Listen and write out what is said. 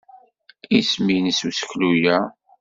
Isem-nnes useklu-a?